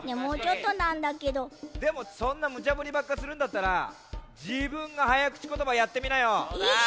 でもそんなムチャぶりばっかするんだったらじぶんがはやくちことばやってみなよ。え！？